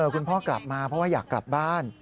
คุณพ่อกลับมาเพราะว่าอยากกลับบ้าน